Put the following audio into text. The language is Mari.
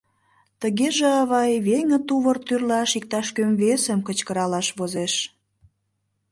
Тыгеже, авай, веҥе тувыр тӱрлаш иктаж-кӧм весым кычкыралаш возеш.